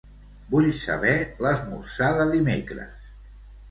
Vull saber l'esmorzar de dimecres.